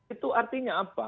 itu artinya apa